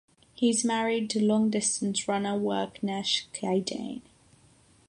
He is married to long-distance runner Werknesh Kidane.